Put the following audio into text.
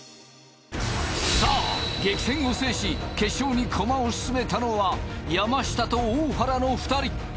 さあ激戦を制し決勝に駒を進めたのは山下と大原の２人